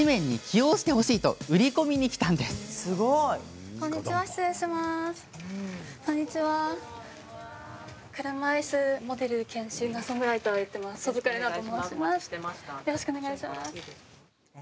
よろしくお願いします。